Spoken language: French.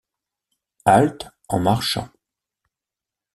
Halte en marchant